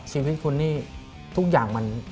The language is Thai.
ชีวิตคุณนี่ทุกอย่างมัน